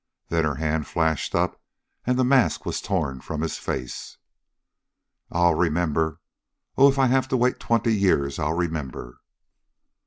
Then her hand flashed up, and the mask was torn from his face. "I'll remember! Oh, if I have to wait twenty years, I'll remember!"